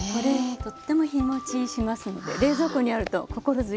とっても日もちしますので冷蔵庫にあると心強い。